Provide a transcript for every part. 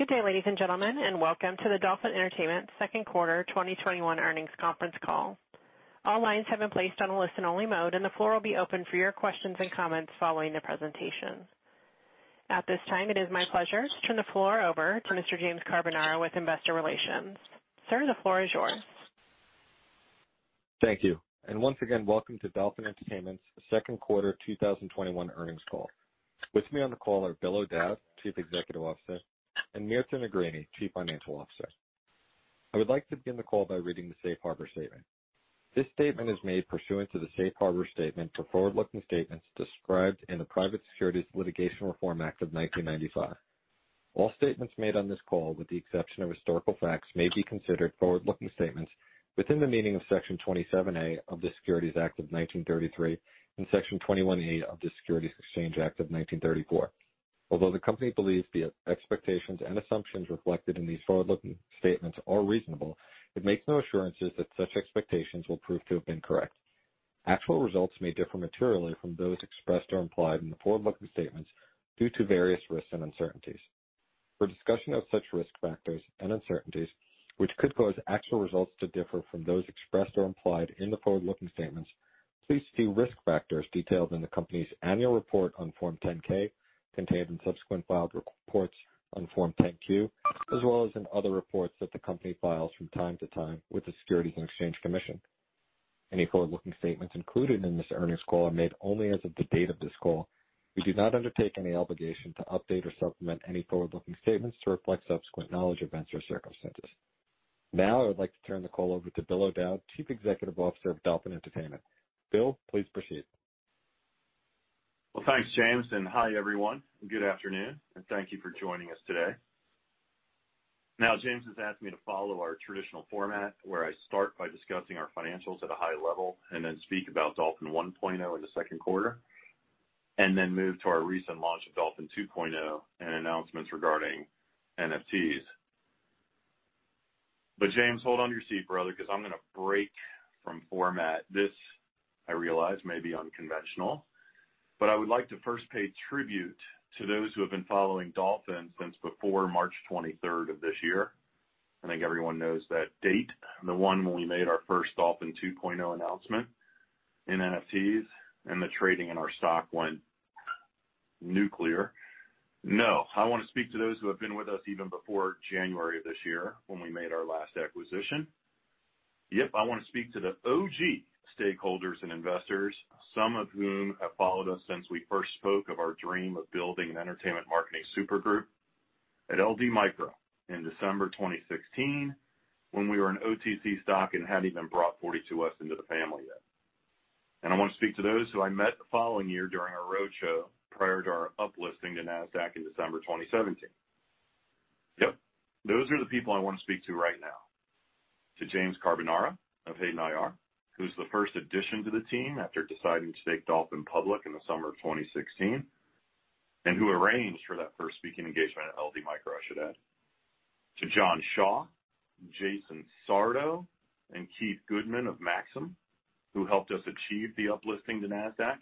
Good day, ladies and gentlemen, And Welcome to the Dolphin Entertainment Second Quarter 2021 Earnings Conference Call. All lines have been placed on a listen-only mode, the floor will be open for your questions and comments following the presentation. At this time, it is my pleasure to turn the floor over to Mr. James Carbonara with Investor Relations. Sir, the floor is yours. Thank you. Once again, welcome to Dolphin Entertainment's Second Quarter 2021 Earnings Call. With me on the call are Bill O'Dowd, Chief Executive Officer, and Mirta Negrini, Chief Financial Officer. I would like to begin the call by reading the safe harbor statement. This statement is made pursuant to the safe harbor statement for forward-looking statements described in the Private Securities Litigation Reform Act of 1995. All statements made on this call, with the exception of historical facts, may be considered forward-looking statements within the meaning of Section 27A of the Securities Act of 1933 and Section 21E of the Securities Exchange Act of 1934. Although the company believes the expectations and assumptions reflected in these forward-looking statements are reasonable, it makes no assurances that such expectations will prove to have been correct. Actual results may differ materially from those expressed or implied in the forward-looking statements due to various risks and uncertainties. For discussion of such risk factors and uncertainties which could cause actual results to differ from those expressed or implied in the forward-looking statements, please see risk factors detailed in the company's annual report on Form 10-K, contained in subsequent filed reports on Form 10-Q, as well as in other reports that the company files from time to time with the Securities and Exchange Commission. Any forward-looking statements included in this earnings call are made only as of the date of this call. We do not undertake any obligation to update or supplement any forward-looking statements to reflect subsequent knowledge, events, or circumstances. Now I would like to turn the call over to Bill O'Dowd, Chief Executive Officer of Dolphin Entertainment. Bill, please proceed. Well, thanks, James, and hi, everyone. Good afternoon, and thank you for joining us today. James has asked me to follow our traditional format, where I start by discussing our financials at a high level and then speak about Dolphin 1.0 in the second quarter, and then move to our recent launch of Dolphin 2.0 and announcements regarding NFTs. James, hold on to your seat, brother, because I'm going to break from format. This, I realize, may be unconventional, but I would like to first pay tribute to those who have been following Dolphin since before March 23rd of this year. I think everyone knows that date, the one when we made our first Dolphin 2.0 announcement in NFTs and the trading in our stock went nuclear. I want to speak to those who have been with us even before January of this year when we made our last acquisition. I want to speak to the OG stakeholders and investors, some of whom have followed us since we first spoke of our dream of building an entertainment marketing Super Group at LD Micro in December 2016 when we were an OTC stock and hadn't even brought 42West into the family yet. I want to speak to those who I met the following year during our roadshow prior to our uplisting to Nasdaq in December 2017. Those are the people I want to speak to right now. To James Carbonara of Hayden IR, who's the first addition to the team after deciding to take Dolphin public in the summer of 2016, and who arranged for that first speaking engagement at LD Micro, I should add. To John Shaw, Jason Sardo, and Keith Goodman of Maxim, who helped us achieve the uplisting to Nasdaq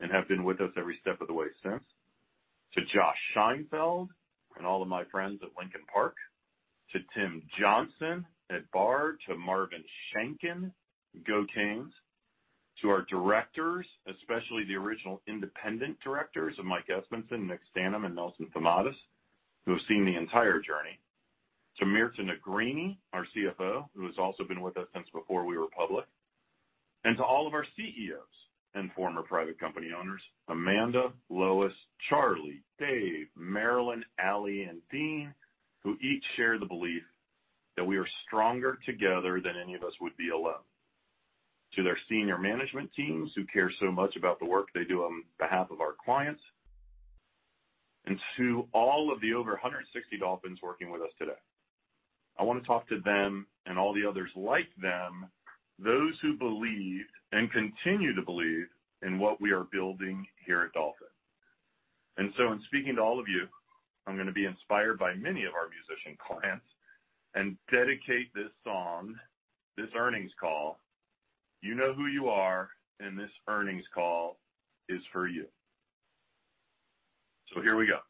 and have been with us every step of the way since. To Josh Scheinfeld, and all of my friends at Lincoln Park, to Tim Johnson at Bard, to Marvin Shanken, go Kings. To our directors, especially the original independent directors of Mike Espensen, Nick Stanham, and Nelson Famadas, who have seen the entire journey. To Mirta Negrini, our CFO, who has also been with us since before we were public. To all of our CEOs and former private company owners, Amanda, Lois, Charlie, Dave, Marilyn, Ali, and Dean, who each share the belief that we are stronger together than any of us would be alone. To their senior management teams who care so much about the work they do on behalf of our clients. To all of the over 160 Dolphins working with us today. I want to talk to them and all the others like them, those who believed and continue to believe in what we are building here at Dolphin. And so, in speaking to all of you, I'm going to be inspired by many of our musician clients and dedicate this song, this earnings call. You know who you are, and this earnings call is for you. Here we go.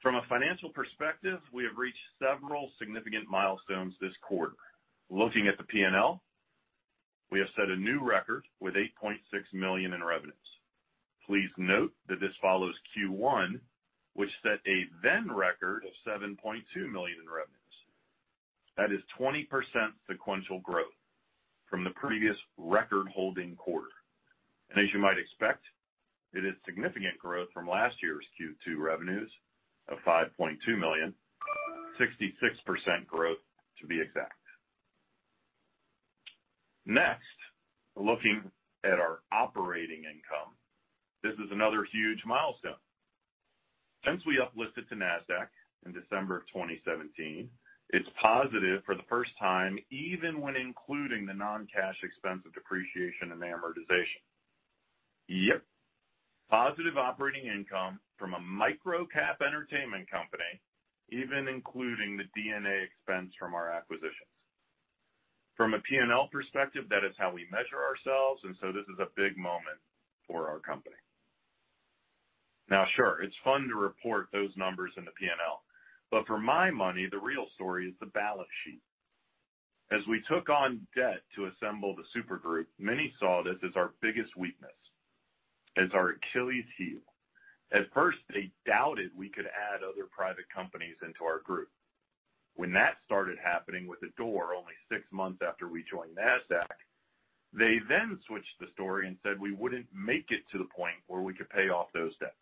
From a financial perspective, we have reached several significant milestones this quarter. Looking at the P&L, we have set a new record with $8.6 million in revenues. Please note that this follows Q1, which set a then record of $7.2 million in revenues. That is 20% sequential growth from the previous record-holding quarter. As you might expect, it is significant growth from last year's Q2 revenues of $5.2 million, 66% growth to be exact. Looking at our operating income. This is another huge milestone. Since we uplisted to Nasdaq in December of 2017, it's positive for the first time, even when including the non-cash expense of depreciation and amortization. Yep. Positive operating income from a micro-cap entertainment company, even including the D&A expense from our acquisition. From a P&L perspective, that is how we measure ourselves, this is a big moment for our company. Now, sure, it's fun to report those numbers in the P&L, but for my money, the real story is the balance sheet. We took on debt to assemble the super group, many saw this as our biggest weakness, as our Achilles heel. They doubted we could add other private companies into our group. When that started happening with the Door only six months after we joined Nasdaq, they then switched the story and said we wouldn't make it to the point where we could pay off those debts.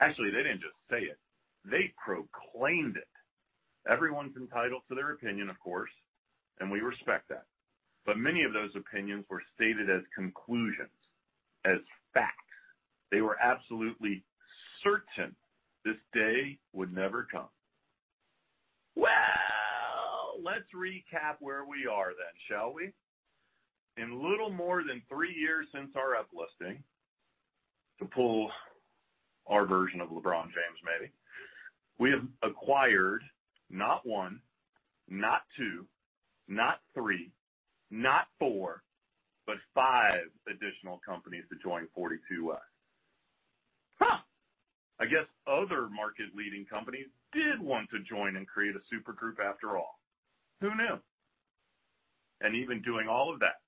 Actually, they didn't just say it, they proclaimed it. Everyone's entitled to their opinion, of course, and we respect that. Many of those opinions were stated as conclusions, as facts. They were absolutely certain this day would never come. Well, let's recap where we are then, shall we? In little more than three years since our uplisting, to pull our version of LeBron James maybe, we have acquired not one, not two, not three, not four, but five additional companies to join 42West. I guess other market-leading companies did want to join and create a super group after all. Who knew? Even doing all of that,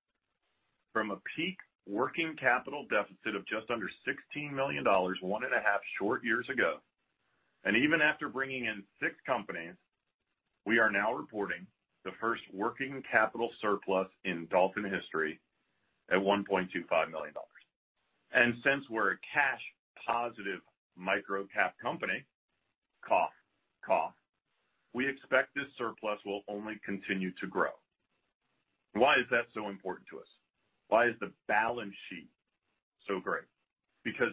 from a peak working capital deficit of just under $16 million 1.5 short years ago, even after bringing in six companies, we are now reporting the first working capital surplus in Dolphin history at $1.25 million. Since we're a cash positive micro-cap company, cough, we expect this surplus will only continue to grow. Why is that so important to us? Why is the balance sheet so great?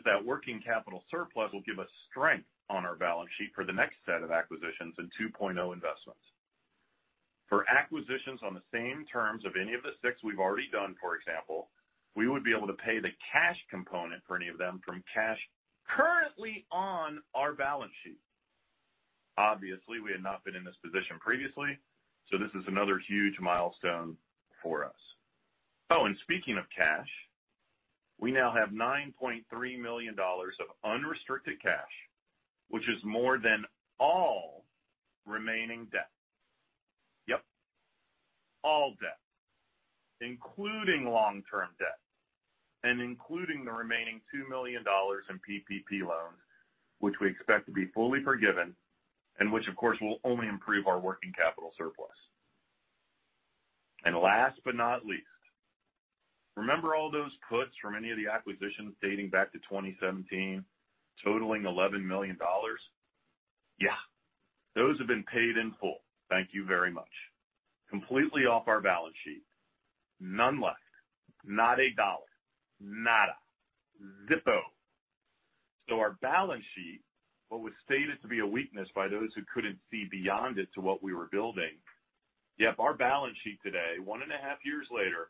That working capital surplus will give us strength on our balance sheet for the next set of acquisitions and 2.0 investments. For acquisitions on the same terms of any of the six we've already done, for example, we would be able to pay the cash component for any of them from cash currently on our balance sheet. We had not been in this position previously, this is another huge milestone for us. Speaking of cash, we now have $9.3 million of unrestricted cash, which is more than all remaining debt. Yep. All debt, including long-term debt and including the remaining $2 million in PPP loans, which we expect to be fully forgiven and which of course will only improve our working capital surplus. Last but not least, remember all those puts from any of the acquisitions dating back to 2017 totaling $11 million? Yeah, those have been paid in full, thank you very much. Completely off our balance sheet. None left, not a dollar, nada, zippo. Our balance sheet, what was stated to be a weakness by those who couldn't see beyond it to what we were building, yep, our balance sheet today, 1.5 years later,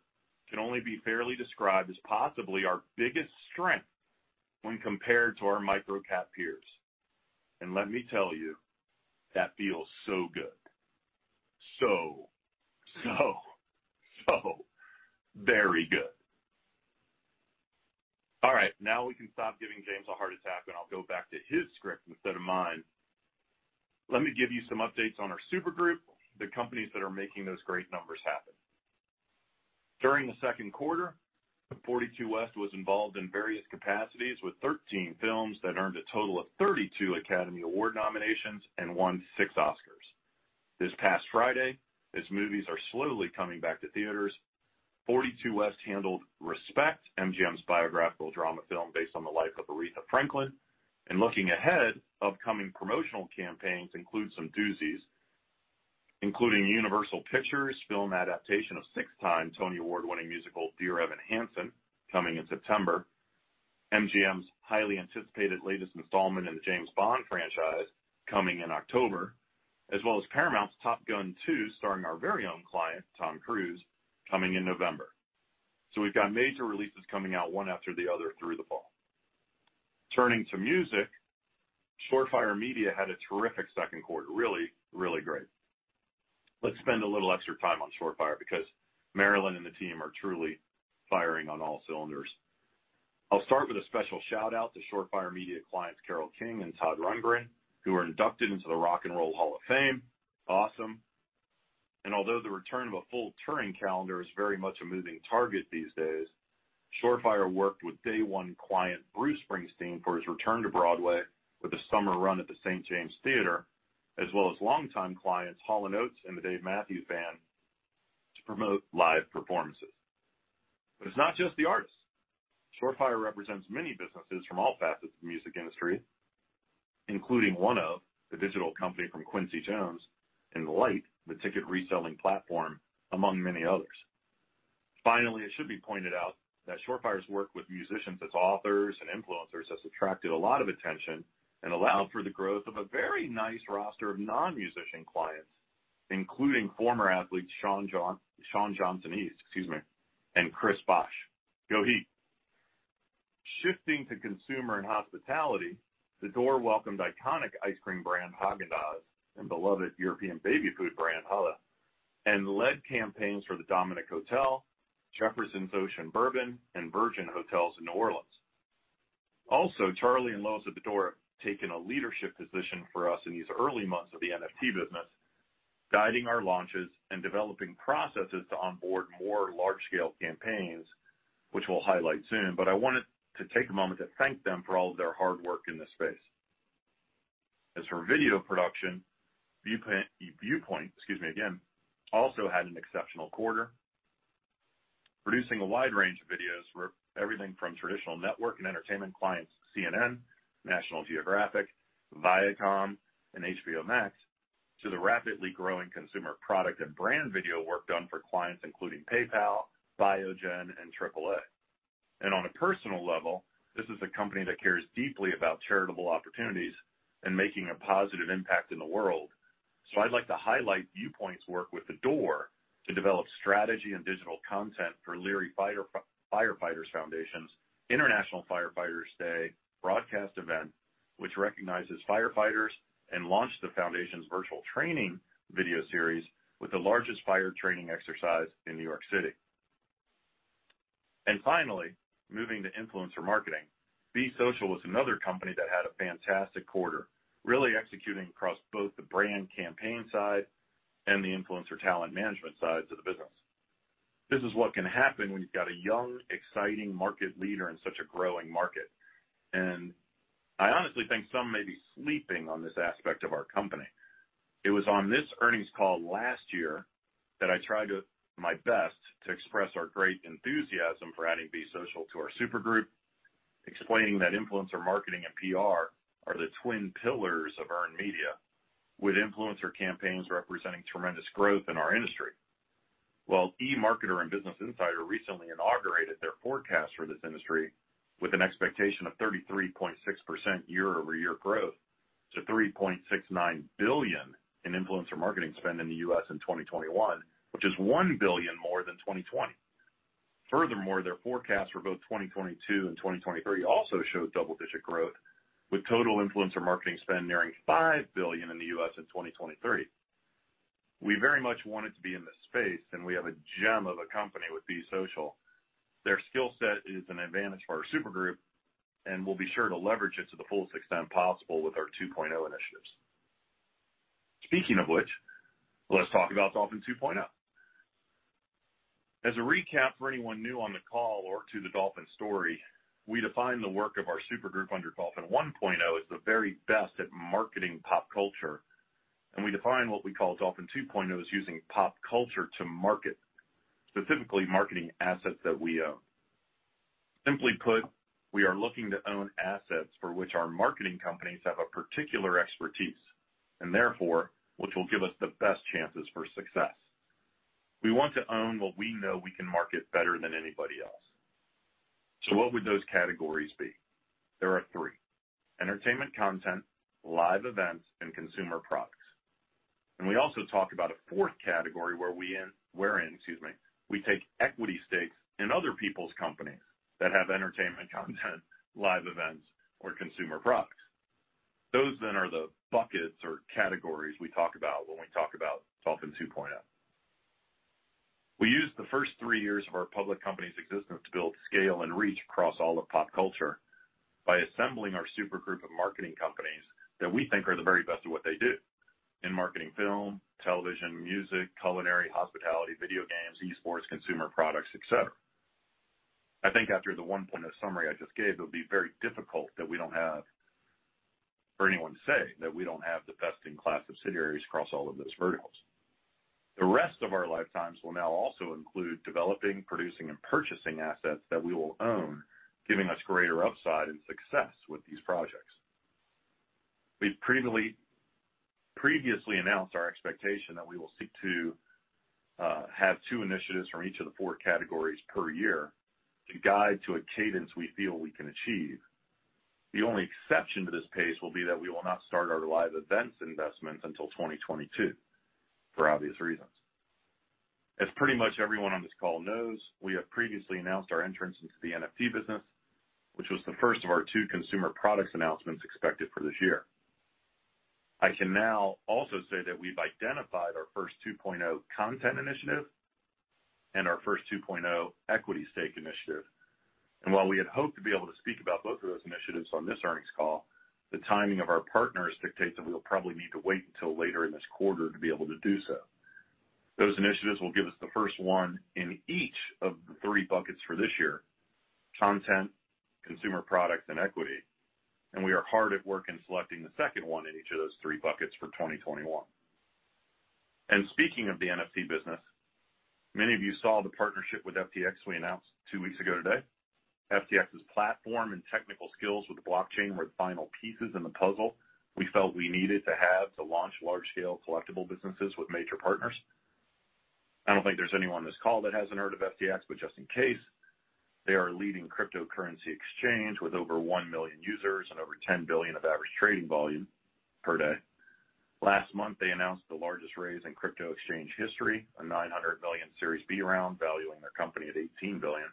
can only be fairly described as possibly our biggest strength when compared to our microcap peers. Let me tell you, that feels so good. So, so, so very good. All right. Now we can stop giving James a heart attack, and I'll go back to his script instead of mine. Let me give you some updates on our super group, the companies that are making those great numbers happen. During the second quarter, 42West was involved in various capacities with 13 films that earned a total of 32 Academy Award nominations and won six Oscars. This past Friday, as movies are slowly coming back to theaters, 42West handled Respect, MGM's biographical drama film based on the life of Aretha Franklin. Looking ahead, upcoming promotional campaigns include some doozies, including Universal Pictures' film adaptation of six-time Tony Award-winning musical, Dear Evan Hansen, coming in September, MGM's highly anticipated latest installment in the James Bond franchise, coming in October, as well as Paramount's Top Gun 2, starring our very own client, Tom Cruise, coming in November. We've got major releases coming out one after the other through the fall. Turning to music, Shore Fire Media had a terrific second quarter. Really great. Let's spend a little extra time on Shore Fire because Marilyn and the team are truly firing on all cylinders. I'll start with a special shout-out to Shore Fire Media clients Carole King and Todd Rundgren, who were inducted into the Rock and Roll Hall of Fame. Awesome. Although the return of a full touring calendar is very much a moving target these days, Shore Fire worked with day one client Bruce Springsteen for his return to Broadway with a summer run at the St. James Theater, as well as longtime clients Hall & Oates and the Dave Matthews Band to promote live performances. It's not just the artists. Shore Fire represents many businesses from all facets of the music industry, including OneOf, the digital company from Quincy Jones, and Lyte, the ticket reselling platform, among many others. Finally, it should be pointed out that Shore Fire's work with musicians as authors and influencers has attracted a lot of attention and allowed for the growth of a very nice roster of non-musician clients, including former athletes Shawn Johnson East, excuse me, and Chris Bosh. Go Heat. Shifting to consumer and hospitality, The Door welcomed iconic ice cream brand Häagen-Dazs, and beloved European baby food brand Holle, and led campaigns for The Dominick Hotel, Jefferson's Ocean Bourbon, and Virgin Hotels in New Orleans. Also, Charlie and Lois at The Door have taken a leadership position for us in these early months of the NFT business, guiding our launches and developing processes to onboard more large-scale campaigns, which we'll highlight soon. I wanted to take a moment to thank them for all of their hard work in this space. As for video production, Viewpoint, excuse me again, also had an exceptional quarter, producing a wide range of videos for everything from traditional network and entertainment clients, CNN, National Geographic, Viacom and HBO Max, to the rapidly growing consumer product and brand video work done for clients including PayPal, Biogen, and AAA. On a personal level, this is a company that cares deeply about charitable opportunities and making a positive impact in the world. I'd like to highlight Viewpoint's work with The Door to develop strategy and digital content for Leary Firefighters Foundation's International Firefighters Day broadcast event, which recognizes firefighters and launched the foundation's virtual training video series with the largest fire training exercise in New York City. Finally, moving to influencer marketing. Be Social is another company that had a fantastic quarter, really executing across both the brand campaign side and the influencer talent management sides of the business. This is what can happen when you've got a young, exciting market leader in such a growing market. I honestly think some may be sleeping on this aspect of our company. It was on this earnings call last year that I tried my best to express our great enthusiasm for adding Be Social to our supergroup, explaining that influencer marketing and PR are the twin pillars of earned media, with influencer campaigns representing tremendous growth in our industry. Well, eMarketer and Business Insider recently inaugurated their forecast for this industry with an expectation of 33.6% year-over-year growth to $3.69 billion in influencer marketing spend in the U.S. in 2021, which is $1 billion more than 2020. Their forecasts for both 2022 and 2023 also showed double-digit growth, with total influencer marketing spend nearing $5 billion in the U.S. in 2023. We very much wanted to be in this space, we have a gem of a company with Be Social. Their skill set is an advantage for our supergroup, we'll be sure to leverage it to the fullest extent possible with our 2.0 initiatives. Speaking of which, let's talk about Dolphin 2.0. As a recap for anyone new on the call or to the Dolphin story, we define the work of our supergroup under Dolphin 1.0 as the very best at marketing pop culture, we define what we call Dolphin 2.0 as using pop culture to market, specifically marketing assets that we own. Simply put, we are looking to own assets for which our marketing companies have a particular expertise, therefore, which will give us the best chances for success. We want to own what we know we can market better than anybody else. What would those categories be? There are three, entertainment content, live events, and consumer products. We also talk about a fourth category wherein, excuse me, we take equity stakes in other people's companies that have entertainment content, live events, or consumer products. Those are the buckets or categories we talk about when we talk about Dolphin 2.0. We used the first three years of our public company's existence to build scale and reach across all of pop culture by assembling our supergroup of marketing companies that we think are the very best at what they do in marketing film, television, music, culinary, hospitality, video games, esports, consumer products, et cetera. I think after the one-point summary I just gave, it would be very difficult for anyone to say that we don't have the best-in-class subsidiaries across all of those verticals. The rest of our lifetimes will now also include developing, producing, and purchasing assets that we will own, giving us greater upside and success with these projects. We've previously announced our expectation that we will seek to have two initiatives from each of the four categories per year to guide to a cadence we feel we can achieve. The only exception to this pace will be that we will not start our live events investments until 2022, for obvious reasons. As pretty much everyone on this call knows, we have previously announced our entrance into the NFT business, which was the first of our two consumer products announcements expected for this year. I can now also say that we've identified our first 2.0 content initiative and our first 2.0 equity stake initiative. While we had hoped to be able to speak about both of those initiatives on this earnings call, the timing of our partners dictates that we'll probably need to wait until later in this quarter to be able to do so. Those initiatives will give us the first one in each of the three buckets for this year. Content, consumer products, and equity. We are hard at work in selecting the second one in each of those three buckets for 2021. Speaking of the NFT business, many of you saw the partnership with FTX we announced two weeks ago today. FTX's platform and technical skills with blockchain were the final pieces in the puzzle we felt we needed to have to launch large-scale collectible businesses with major partners. I don't think there's anyone on this call that hasn't heard of FTX, but just in case, they are a leading cryptocurrency exchange with over 1 million users and over $10 billion of average trading volume per day. Last month, they announced the largest raise in crypto exchange history, a $900 million Series B round valuing their company at $18 billion.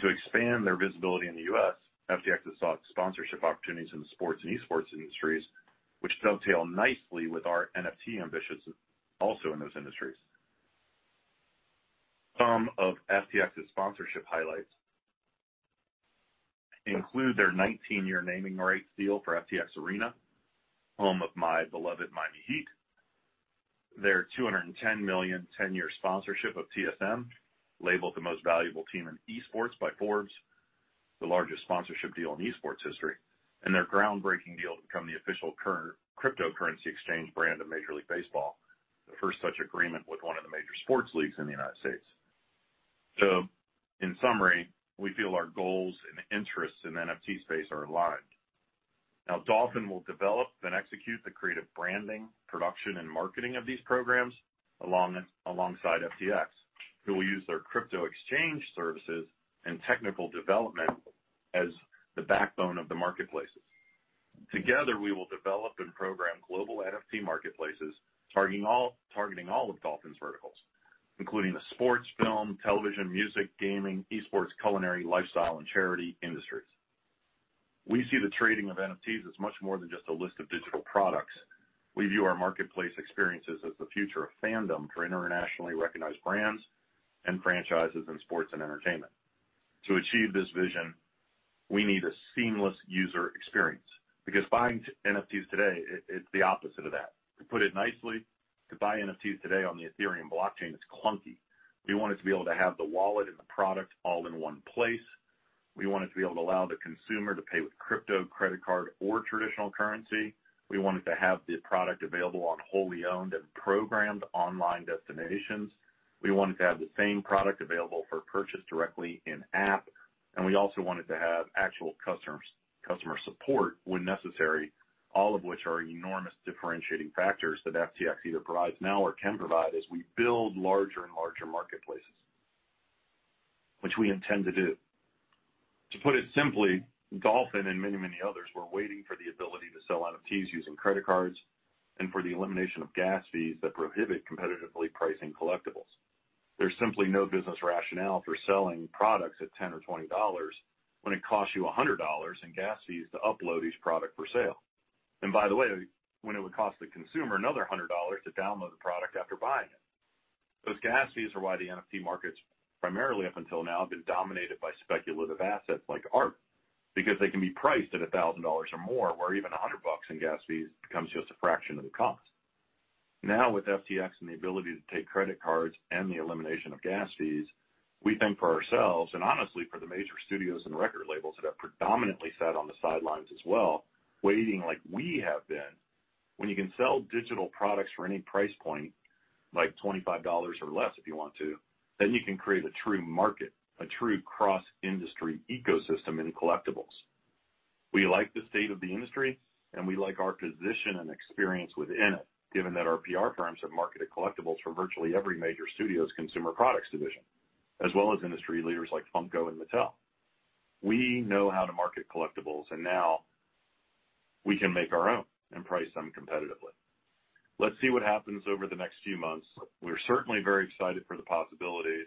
To expand their visibility in the U.S., FTX has sought sponsorship opportunities in the sports and eSports industries, which dovetail nicely with our NFT ambitions also in those industries. Some of FTX's sponsorship highlights include their 19-year naming rights deal for FTX Arena, home of my beloved Miami Heat, their $210 million, 10-year sponsorship of TSM, labeled the most valuable team in esports by Forbes, the largest sponsorship deal in esports history, and their groundbreaking deal to become the official cryptocurrency exchange brand of Major League Baseball, the first such agreement with one of the major sports leagues in the United States. So, in summary, we feel our goals and interests in the NFT space are aligned. Now, Dolphin will develop then execute the creative branding, production, and marketing of these programs alongside FTX, who will use their crypto exchange services and technical development as the backbone of the marketplaces. Together, we will develop and program global NFT marketplaces targeting all of Dolphin's verticals, including the sports, film, television, music, gaming, eSports, culinary, lifestyle, and charity industries. We see the trading of NFTs as much more than just a list of digital products. We view our marketplace experiences as the future of fandom for internationally recognized brands and franchises in sports and entertainment. To achieve this vision, we need a seamless user experience because buying NFTs today, it's the opposite of that. To put it nicely, to buy NFTs today on the Ethereum blockchain, it's clunky. We want it to be able to have the wallet and the product all in one place. We want it to be able to allow the consumer to pay with crypto, credit card, or traditional currency. We want it to have the product available on wholly owned and programmed online destinations. We want it to have the same product available for purchase directly in-app, and we also want it to have actual customer support when necessary, all of which are enormous differentiating factors that FTX either provides now or can provide as we build larger and larger marketplaces, which we intend to do. To put it simply, Dolphin and many others were waiting for the ability to sell NFTs using credit cards and for the elimination of gas fees that prohibit competitively pricing collectibles. There's simply no business rationale for selling products at $10 or 20 when it costs you $100 in gas fees to upload each product for sale. By the way, when it would cost the consumer another $100 to download the product after buying it. Those gas fees are why the NFT markets, primarily up until now, have been dominated by speculative assets like art because they can be priced at $1,000 or more, where even $100 in gas fees becomes just a fraction of the cost. Now with FTX and the ability to take credit cards and the elimination of gas fees, we think for ourselves and honestly for the major studios and record labels that have predominantly sat on the sidelines as well, waiting like we have been, when you can sell digital products for any price point, like $25 or less if you want to, then you can create a true market, a true cross-industry ecosystem in collectibles. We like the state of the industry and we like our position and experience within it, given that our PR firms have marketed collectibles for virtually every major studio's consumer products division, as well as industry leaders like Funko and Mattel. Now we can make our own and price them competitively. Let's see what happens over the next few months. We're certainly very excited for the possibilities.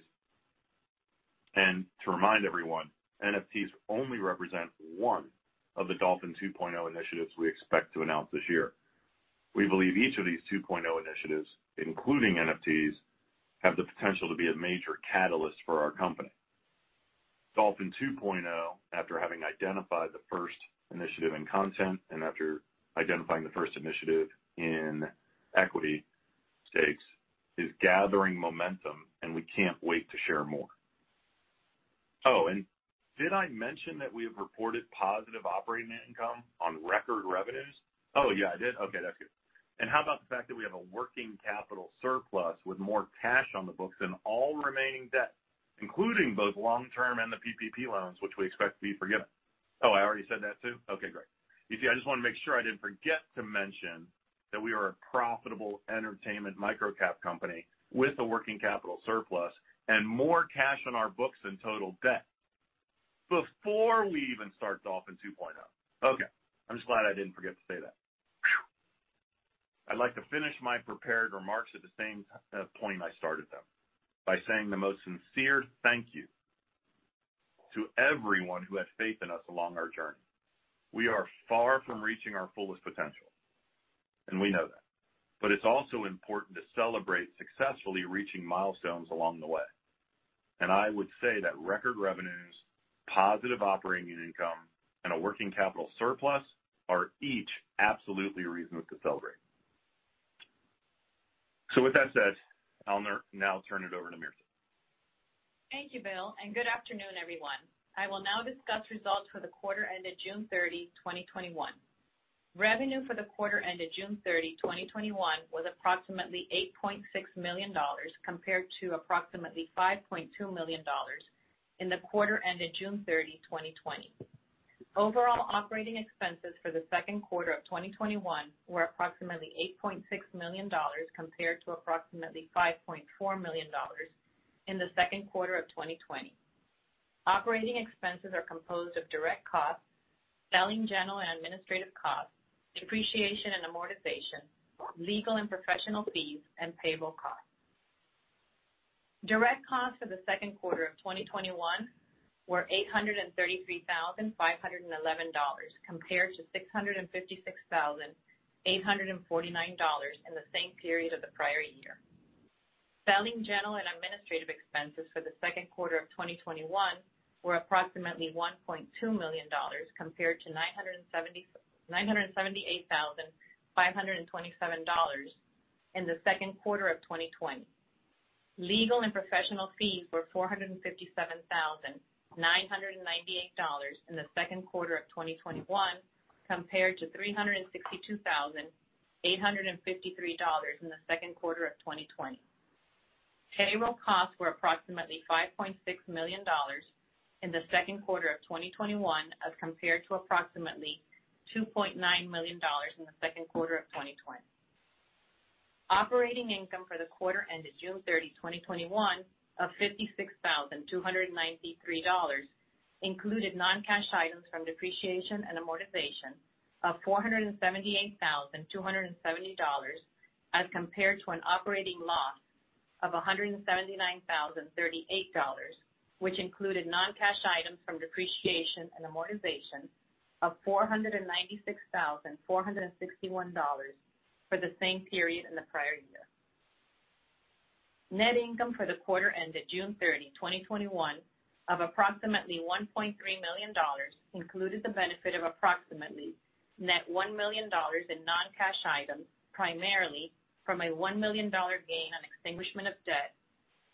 To remind everyone, NFTs only represent one of the Dolphin 2.0 initiatives we expect to announce this year. We believe each of these 2.0 initiatives, including NFTs, have the potential to be a major catalyst for our company. Dolphin 2.0, after having identified the first initiative in content and after identifying the first initiative in equity stakes, is gathering momentum. We can't wait to share more. Did I mention that we have reported positive operating income on record revenues? Yeah, I did. Okay, that's good. How about the fact that we have a working capital surplus with more cash on the books than all remaining debt, including both long-term and the PPP loans, which we expect to be forgiven. Oh, I already said that too. Okay, great. You see, I just want to make sure I didn't forget to mention that we are a profitable entertainment micro-cap company with a working capital surplus and more cash on our books than total debt before we even start Dolphin 2.0. Okay, I'm just glad I didn't forget to say that. I'd like to finish my prepared remarks at the same point I started them, by saying the most sincere thank you to everyone who had faith in us along our journey. We are far from reaching our fullest potential. We know that. It's also important to celebrate successfully reaching milestones along the way. I would say that record revenues, positive operating income, and a working capital surplus are each absolutely a reason to celebrate. With that said, I'll now turn it over to Mirta. Thank you, Bill, and good afternoon, everyone. I will now discuss results for the quarter ended June 30, 2021. Revenue for the quarter ended June 30, 2021, was approximately $8.6 million compared to approximately 5.2 million in the quarter ended June 30, 2020. Overall operating expenses for the second quarter of 2021 were approximately $8.6 million compared to approximately 5.4 million in the second quarter of 2020. Operating expenses are composed of direct costs, selling, general, and administrative costs, depreciation and amortization, legal and professional fees, and payroll costs. Direct costs for the second quarter of 2021 were $833,511 compared to 656,849 in the same period of the prior year. Selling, general, and administrative expenses for the second quarter of 2021 were approximately $1.2 million compared to 978,527 in the second quarter of 2020. Legal and professional fees were $457,998 in the second quarter of 2021 compared to $362,853 in the second quarter of 2020. Payroll costs were approximately $5.6 million in the second quarter of 2021 as compared to approximately $2.9 million in the second quarter of 2020. Operating income for the quarter ended June 30, 2021, of $56,293 included non-cash items from depreciation and amortization of $478,270 as compared to an operating loss of $179,038, which included non-cash items from depreciation and amortization of $496,461 for the same period in the prior year. Net income for the quarter ended June 30, 2021, of approximately $1.3 million included the benefit of approximately net $1 million in non-cash items, primarily from a $1 million gain on extinguishment of debt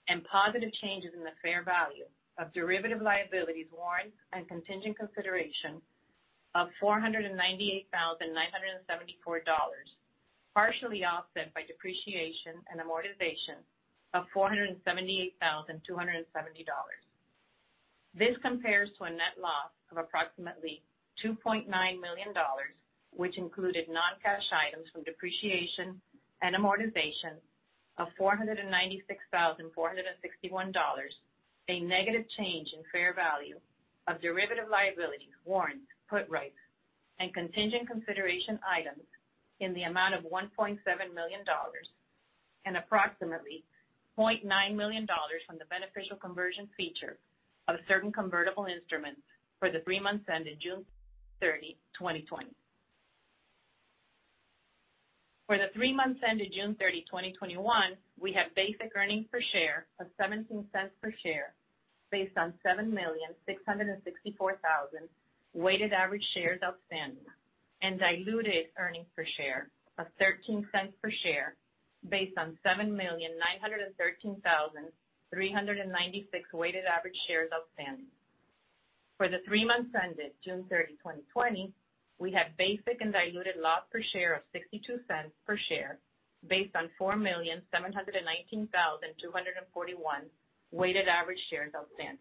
and positive changes in the fair value of derivative liabilities warrants and contingent consideration of $498,974, partially offset by depreciation and amortization of $478,270. This compares to a net loss of approximately $2.9 million, which included non-cash items from depreciation and amortization of $496,461, a negative change in fair value of derivative liability warrants, put rights, and contingent consideration items in the amount of $1.7 million and approximately $0.9 million from the beneficial conversion feature of certain convertible instruments for the three months ended June 30, 2020. For the three months ended June 30, 2021, we have basic earnings per share of $0.17 per share based on 7,664,000 weighted average shares outstanding and diluted earnings per share of $0.13 per share based on 7,913,396 weighted average shares outstanding. For the three months ended June 30, 2020, we had basic and diluted loss per share of $0.62 per share based on 4,719,241 weighted average shares outstanding.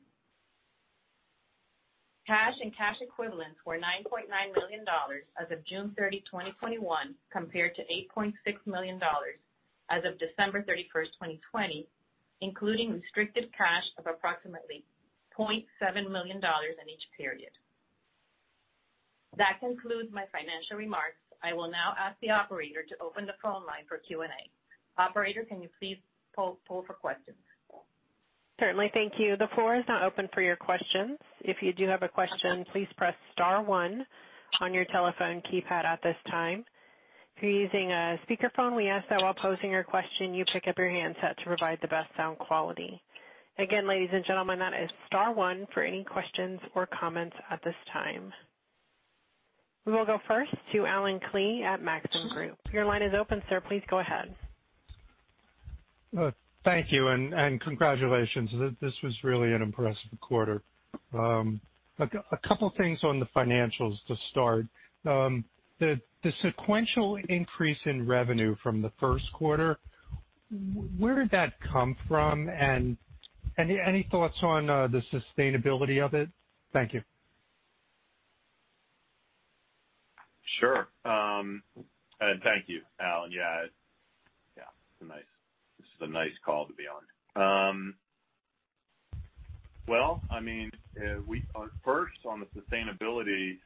Cash and cash equivalents were $9.9 million as of June 30, 2021, compared to $8.6 million as of December 31st, 2020, including restricted cash of approximately $0.7 million in each period. That concludes my financial remarks. I will now ask the Operator to open the phone line for Q&A. Operator, can you please poll for questions? Certainly. Thank you. The floor is now open for your questions. If you do have a question, please press star one on your telephone keypad at this time. If you're using a speakerphone, we ask that while posing your question you pick up your handset to provide the best sound quality. Again, ladies and gentlemen, that is star one for any questions or comments at this time. We'll go first to Allen Klee at Maxim Group. Your line is open, sir. Please go ahead. Thank you. Congratulations. This was really an impressive quarter. A couple things on the financials to start. The sequential increase in revenue from the first quarter, where did that come from? Any thoughts on the sustainability of it? Thank you. Sure. Thank you, Allen. Yeah. This is a nice call to be on. Well, first, on the sustainability,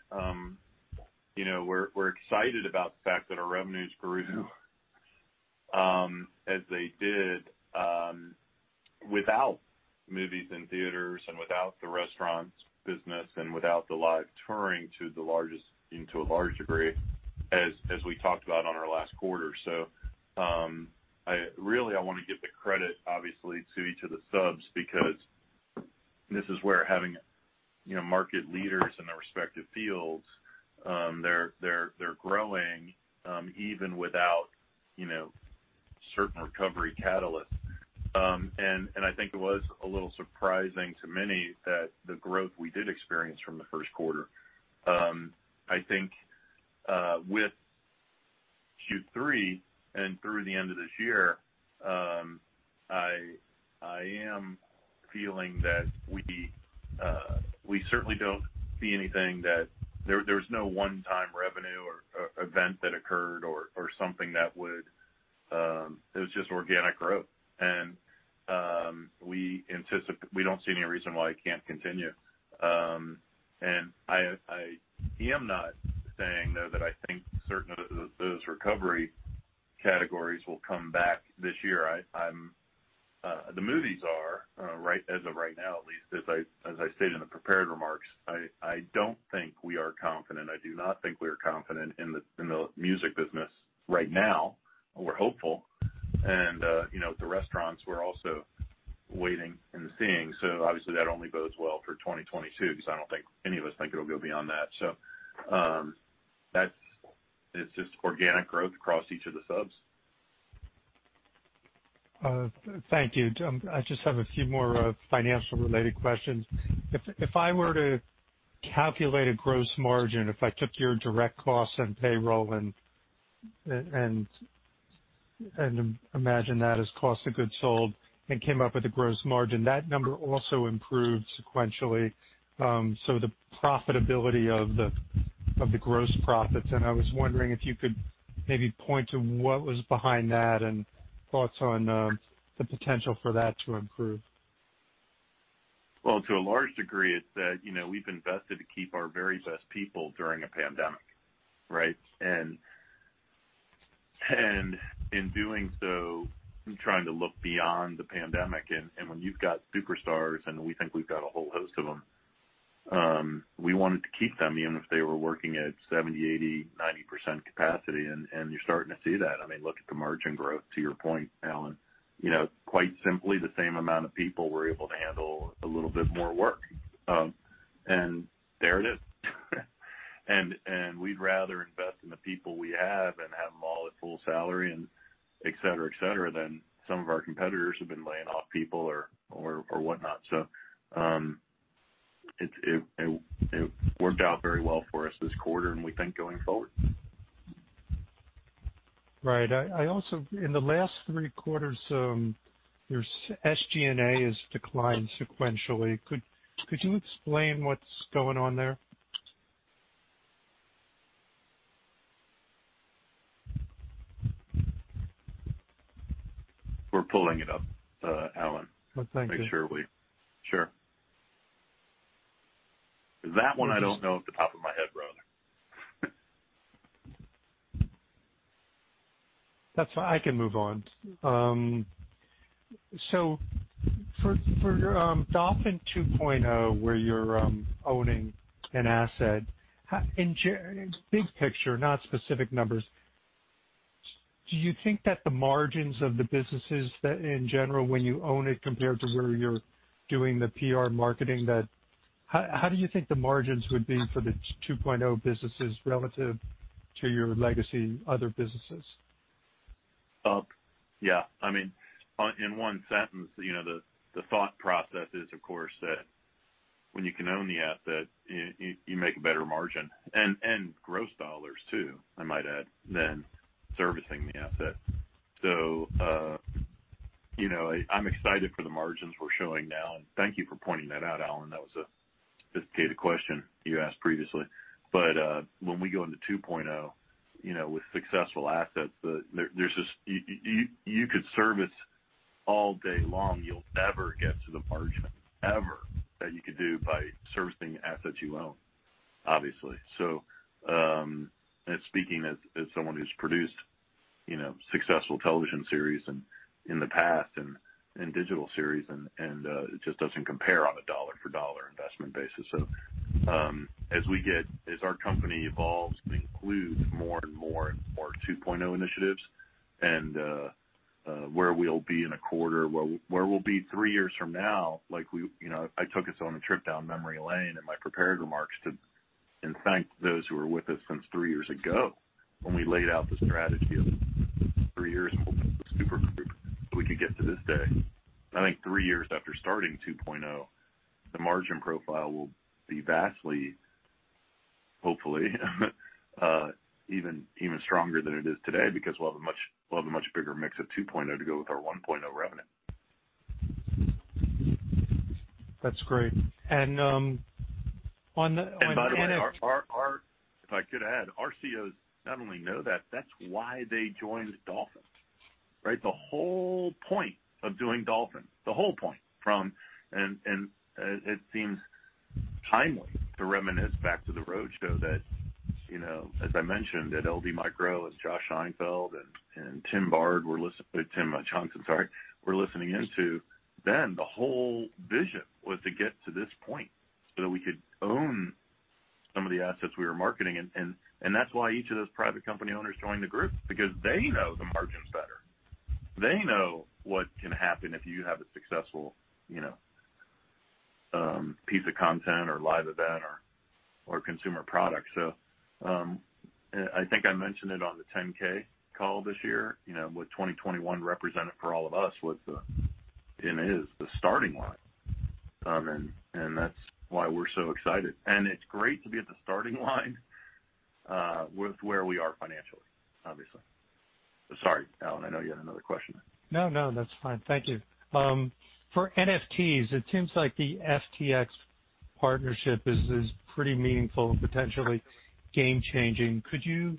we're excited about the fact that our revenues grew as they did without movies in theaters and without the restaurants business and without the live touring to a large degree, as we talked about on our last quarter. Really I want to give the credit, obviously, to each of the subs because this is where having market leaders in their respective fields, they're growing even without certain recovery catalysts. I think it was a little surprising to many that the growth we did experience from the first quarter. I think with Q3 and through the end of this year, I am feeling that we certainly don't see there's no one-time revenue or event that occurred. It was just organic growth. We don't see any reason why it can't continue. I am not saying, though, that I think certain of those recovery categories will come back this year. The movies are, as of right now, at least. As I stated in the prepared remarks, I don't think we are confident. I do not think we are confident in the music business right now. We're hopeful. And the, you know, the restaurants, we're also waiting and seeing. Obviously that only bodes well for 2022, because I don't think any of us think it'll go beyond that. It's just organic growth across each of the subs. Thank you. I just have a few more financial-related questions. If I were to calculate a gross margin, if I took your direct costs and payroll and imagine that as cost of goods sold and came up with a gross margin, that number also improved sequentially. The profitability of the gross profits, and I was wondering if you could maybe point to what was behind that and thoughts on the potential for that to improve. Well, to a large degree, it's that we've invested to keep our very best people during a pandemic, right? In doing so, trying to look beyond the pandemic and when you've got superstars, and we think we've got a whole host of them, we wanted to keep them even if they were working at 70%, 80%, 90% capacity. You're starting to see that. Look at the margin growth, to your point, Allen. Quite simply, the same amount of people were able to handle a little bit more work. There it is. We'd rather invest in the people we have and have them all at full salary and et cetera, than some of our competitors who have been laying off people or whatnot. It worked out very well for us this quarter, and we think going forward. Right. In the last three quarters, your SG&A has declined sequentially. Could you explain what's going on there? We're pulling it up, Allen. Well, thank you. Sure. That one I don't know off the top of my head, brother. That's fine. I can move on. For Dolphin 2.0, where you're owning an asset. Big picture, not specific numbers, do you think that the margins of the businesses that in general, when you own it, compared to where you're doing the PR marketing, how do you think the margins would be for the 2.0 businesses relative to your legacy, other businesses? Up. Yeah. In one sentence, the thought process is, of course, that when you can own the asset, you make a better margin and gross dollars too, I might add, than servicing the asset. I'm excited for the margins we're showing now, and thank you for pointing that out, Allen. That was a sophisticated question you asked previously. When we go into 2.0, with successful assets, you could service all day long, you'll never get to the margin, ever, that you could do by servicing assets you own, obviously. And speaking as someone who's produced successful television series in the past and digital series and it just doesn't compare on a dollar for dollar investment basis. As our company evolves and includes more and more 2.0 initiatives and where we'll be in a quarter, where we'll be three years from now. I took us on a trip down memory lane in my prepared remarks to thank those who were with us since three years ago when we laid out the strategy of three years and we'll build this super group so we could get to this day. I think three years after starting 2.0, the margin profile will be vastly, hopefully, even stronger than it is today because we'll have a much bigger mix of 2.0 to go with our 1.0 revenue. That's great. By the way, if I could add, our COs not only know that's why they joined Dolphin. Right. The whole point of doing Dolphin. It seems timely to reminisce back to the roadshow that, as I mentioned at LD Micro, as Josh Scheinfeld and Tim Bard were listen, sorry, Tim Johnson, sorry, were listening in to, the whole vision was to get to this point so that we could own some of the assets we were marketing. That's why each of those private company owners joined the group because they know the margins better. They know what can happen if you have a successful piece of content or live event or consumer product. I think I mentioned it on the 10-K call this year, what 2021 represented for all of us was and is the starting line. That's why we're so excited. It's great to be at the starting line, with where we are financially, obviously. Sorry, Allen, I know you had another question there. No, that's fine. Thank you. For NFTs, it seems like the FTX partnership is pretty meaningful and potentially game-changing. Could you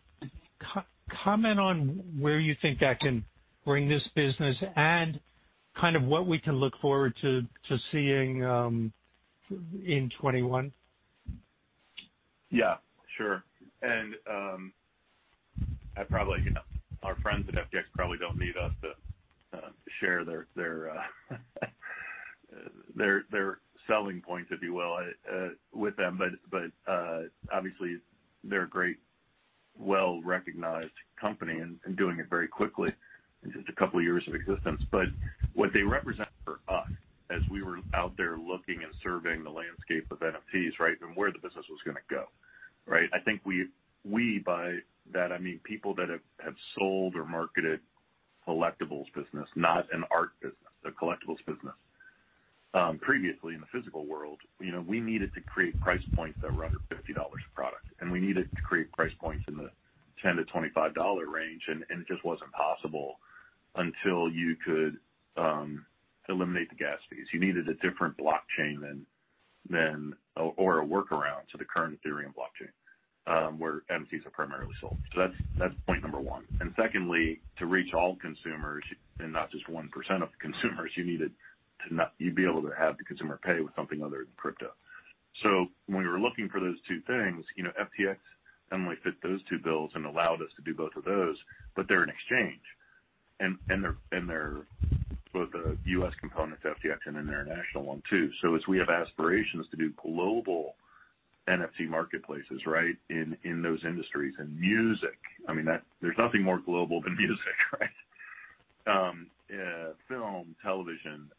comment on where you think that can bring this business and what we can look forward to seeing in 2021? Yeah, sure. Our friends at FTX probably don't need us to share their selling points, if you will, with them. Obviously, they're a great, well-recognized company and doing it very quickly in just a couple of years of existence. What they represent for us as we were out there looking and surveying the landscape of NFTs and where the business was going to go, I think we, by that I mean people that have sold or marketed collectibles business, not an art business, a collectibles business, previously in the physical world, we needed to create price points that were under $50 a product, and we needed to create price points in the $10-25 range, and it just wasn't possible until you could eliminate the gas fees. You needed a different blockchain or a workaround to the current Ethereum blockchain, where NFTs are primarily sold. That's point number one. Secondly, to reach all consumers and not just 1% of consumers, you needed to be able to have the consumer pay with something other than crypto. When we were looking for those two things, FTX not only fit those two bills and allowed us to do both of those, but they're an exchange, and both the U.S. component to FTX and an international one, too. As we have aspirations to do global NFT marketplaces in those industries. In music, there's nothing more global than music, right? Film, television,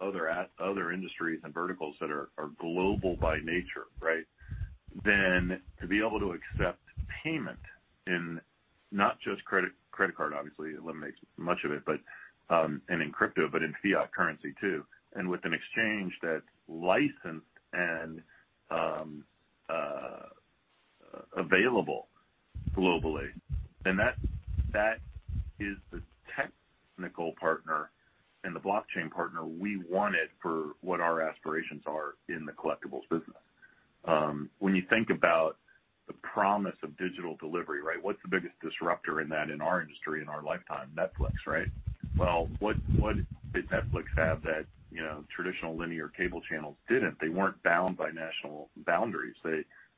other industries, and verticals that are global by nature. To be able to accept payment in not just credit card, obviously eliminates much of it, and in crypto, but in fiat currency too, and with an exchange that's licensed and available globally. That is the technical partner and the blockchain partner we wanted for what our aspirations are in the collectibles business. When you think about the promise of digital delivery, what's the biggest disruptor in that in our industry, in our lifetime? Netflix, right? What did Netflix have that traditional linear cable channels didn't? They weren't bound by national boundaries.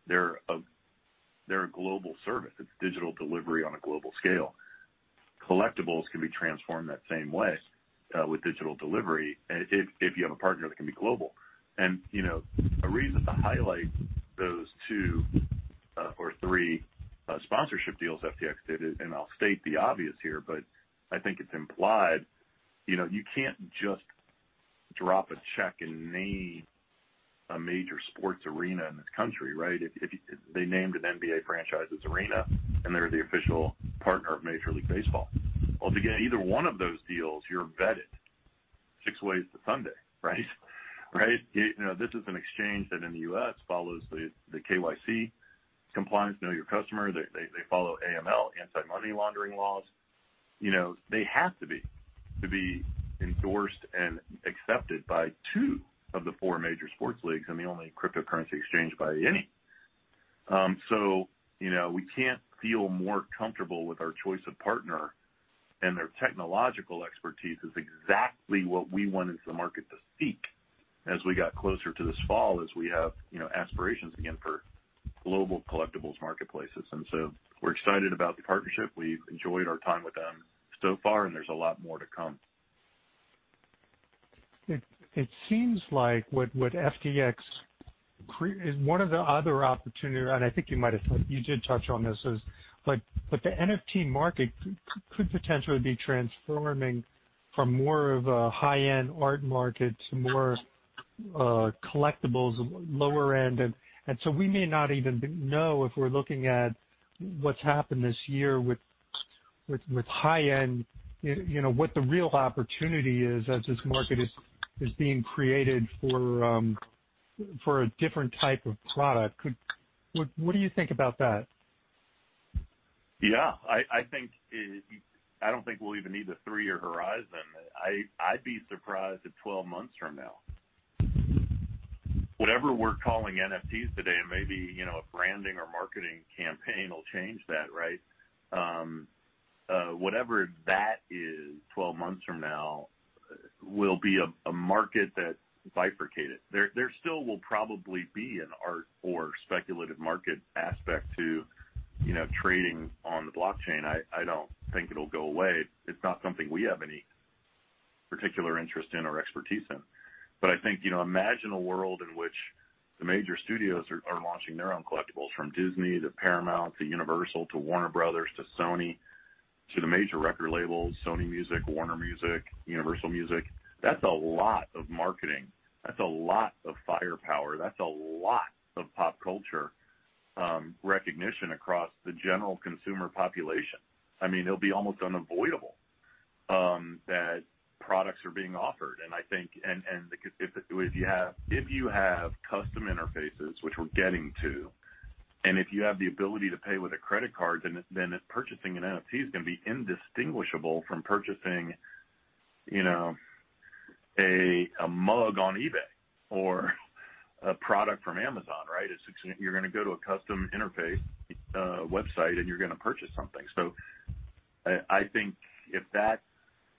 They're a global service. It's digital delivery on a global scale. Collectibles can be transformed that same way with digital delivery if you have a partner that can be global. A reason to highlight those two or three sponsorship deals FTX did, and I'll state the obvious here, but I think it's implied. You can't just drop a check and name a major sports arena in this country, right? They named an NBA franchise's arena, and they're the official partner of Major League Baseball. To get either one of those deals, you're vetted six ways to Sunday, right? This is an exchange that in the U.S. follows the KYC compliance, Know Your Customer. They follow AML, Anti-Money Laundering laws. They have to be to be endorsed and accepted by two of the four major sports leagues and the only cryptocurrency exchange by any. We can't feel more comfortable with our choice of partner and their technological expertise is exactly what we wanted the market to seek as we got closer to this fall, as we have aspirations again for global collectibles marketplaces. We're excited about the partnership. We've enjoyed our time with them so far, and there's a lot more to come. It seems like One of the other opportunities, I think you did touch on this is, the NFT market could potentially be transforming from more of a high-end art market to more collectibles, lower end. We may not even know if we're looking at what's happened this year with high-end, what the real opportunity is as this market is being created for a different type of product. What do you think about that? Yeah. I think.. I don't think we'll even need the three-year horizon. I'd be surprised if 12 months from now. Maybe, a branding or marketing campaign will change that. Whatever that is 12 months from now will be a market that's bifurcated. There still will probably be an art or speculative market aspect to trading on the blockchain. I don't think it'll go away. It's not something we have any particular interest in or expertise in. I think, imagine a world in which the major studios are launching their own collectibles, from Disney, to Paramount, to Universal, to Warner Bros, to Sony, to the major record labels, Sony Music, Warner Music, Universal Music. That's a lot of marketing. That's a lot of firepower. That's a lot of pop culture recognition across the general consumer population. It'll be almost unavoidable that products are being offered. I think if you have custom interfaces, which we're getting to, and if you have the ability to pay with a credit card, then purchasing an NFT is going to be indistinguishable from purchasing a mug on eBay or a product from Amazon, right. You're going to go to a custom interface website, and you're going to purchase something. I think if that's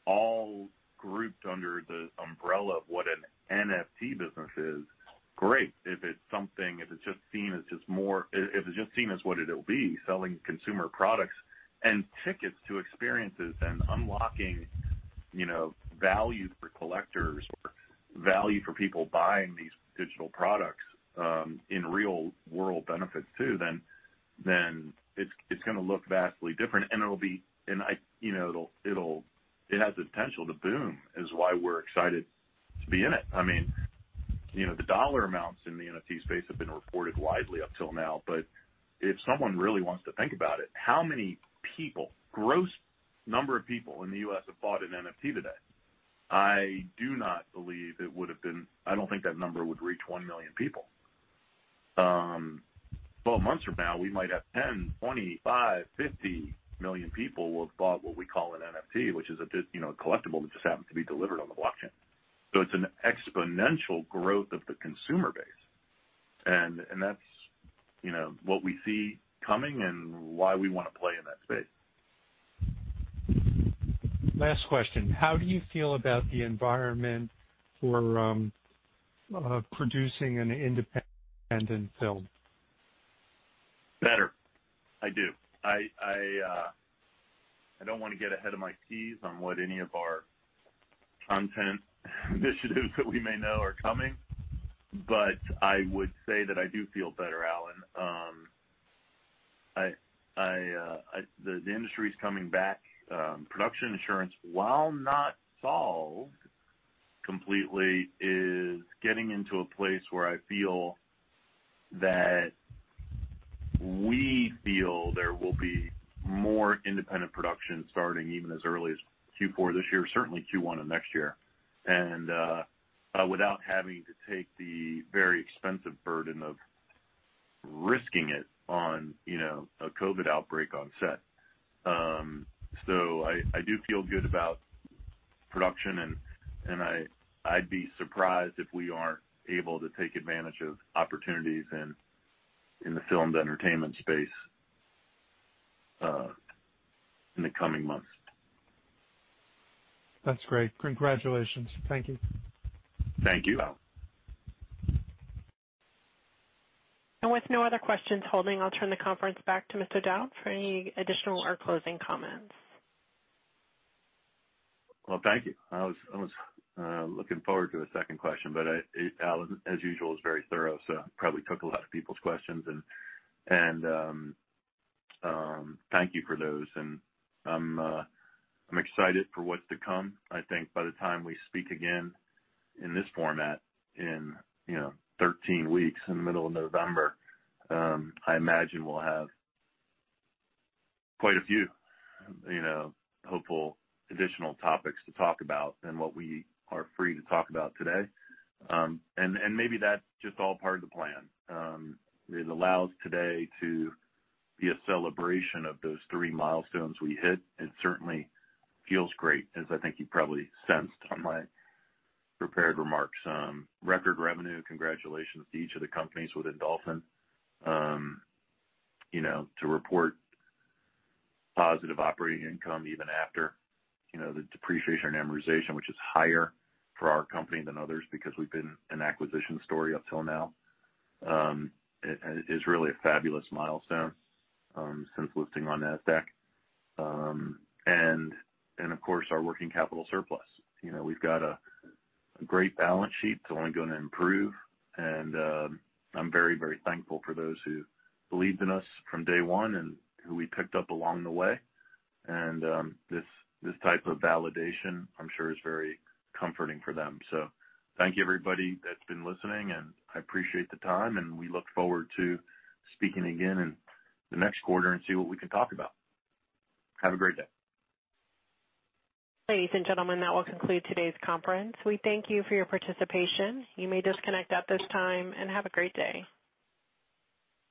all grouped under the umbrella of what an NFT business is, great. If it's just seen as what it'll be, selling consumer products and tickets to experiences and unlocking value for collectors or value for people buying these digital products in real world benefits too, then it's going to look vastly different. It has the potential to boom, is why we're excited to be in it. The dollar amounts in the NFT space have been reported widely up till now. If someone really wants to think about it, how many people, gross number of people in the U.S. have bought an NFT to date? I don't think that number would reach 1 million people. 12 months from now, we might have 10 million, 25 million, 50 million people will have bought what we call an NFT, which is a collectible that just happens to be delivered on the blockchain. It's an exponential growth of the consumer base, and that's what we see coming and why we want to play in that space. Last question. How do you feel about the environment for producing an independent film? Better. I do. I don't want to get ahead of my skis on what any of our content initiatives that we may know are coming, but I would say that I do feel better, Allen. The industry's coming back. Production insurance, while not solved completely, is getting into a place where I feel that we feel there will be more independent production starting even as early as Q4 this year, certainly Q1 of next year. Without having to take the very expensive burden of risking it on a COVID outbreak on set. I do feel good about production, and I'd be surprised if we aren't able to take advantage of opportunities in the filmed entertainment space in the coming months. That's great. Congratulations. Thank you. Thank you, Allen. With no other questions holding, I'll turn the conference back to Bill O'Dowd for any additional or closing comments. Thank you. I was looking forward to a second question, Allen, as usual, is very thorough, probably took a lot of people's questions, and thank you for those. I'm excited for what's to come. I think by the time we speak again in this format in 13 weeks in the middle of November, I imagine we'll have quite a few hopeful additional topics to talk about than what we are free to talk about today. Maybe that's just all part of the plan. It allows today to be a celebration of those three milestones we hit. It certainly feels great, as I think you probably sensed on my prepared remarks. Record revenue, congratulations to each of the companies within Dolphin. To report positive operating income, even after the Depreciation and Amortization, which is higher for our company than others because we've been an acquisition story up till now, is really a fabulous milestone since listing on Nasdaq. Of course, our working capital surplus. We've got a great balance sheet that's only going to improve, and I'm very thankful for those who believed in us from day one and who we picked up along the way. This type of validation, I'm sure, is very comforting for them. Thank you, everybody, that's been listening, and I appreciate the time, and we look forward to speaking again in the next quarter and see what we can talk about. Have a great day. Ladies and gentlemen, that will conclude today's conference. We thank you for your participation. You may disconnect at this time, and have a great day.